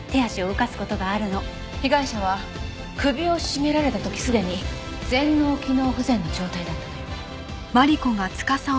被害者は首を絞められた時すでに全脳機能不全の状態だったのよ。